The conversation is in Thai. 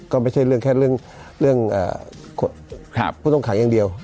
ก็ไม่ใช่เรื่องแค่เรื่องผู้ต้องขังอย่างเดียว